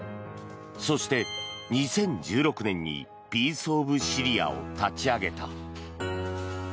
そして、２０１６年にピース・オブ・シリアを立ち上げた。